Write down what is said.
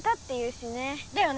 だよね！